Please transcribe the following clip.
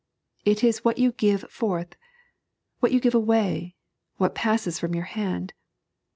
It is what you give forth ; what you give away ; what passes from your hand.